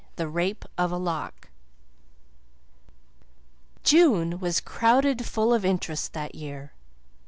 THE RAPE OF THE LOCK June was crowded full of interest that year.